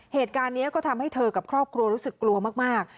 เหตุการณ์นี้ก็ทำให้เธอกับครอบครัวรู้สึกกลัวมาก